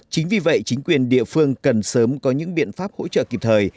chính vì vậy chính quyền địa phương cần sớm có những biện pháp hỗ trợ kịp thời